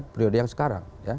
periode yang sekarang